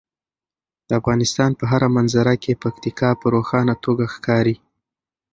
د افغانستان په هره منظره کې پکتیکا په روښانه توګه ښکاري.